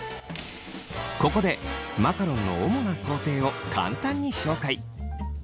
ここでマカロンの主な工程を簡単に紹介。